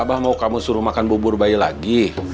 abah mau kamu suruh makan bubur bayi lagi